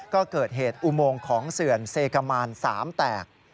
ก็เกิดเหตุอุโมงของเสื่อนเซกามาน๓แตก